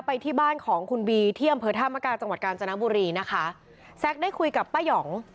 ไปที่บ้านของคุณบีที่อำเภอธามกาจังหวัดกาญจนบุรีนะคะแซ็กได้คุยกับป้ายอง